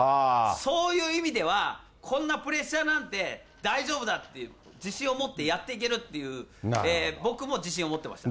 そういう意味では、こんなプレッシャーなんて大丈夫だっていう、自信を持ってやっていけるっていう、僕も自信を持ってました。